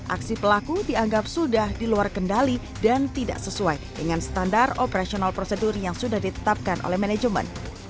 aksi pelaku dianggap sudah diluar kendali dan tidak sesuai dengan standar operasional prosedur yang sudah ditetapkan oleh manajemen